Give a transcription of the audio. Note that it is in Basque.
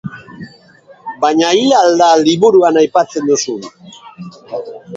Baina hil al da liburuan aipatzen duzun.